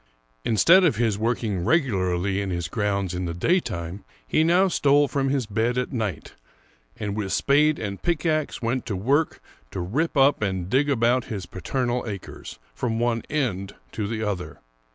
Instead of his working regularly in his grounds in the daytime, he now stole from his bed at night, and with spade and pickax went to work to rip up and dig about his paternal acres, from one end to the other.